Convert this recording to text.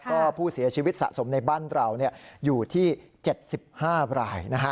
ก็ผู้เสียชีวิตสะสมในบ้านเราอยู่ที่๗๕รายนะฮะ